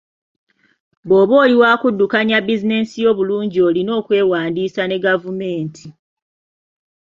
Bwoba oli wa kuddukanya bizinensi yo bulungi, olina okwewandiisa ne gavumenti.